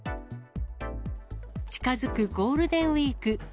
近づくゴールデンウィーク。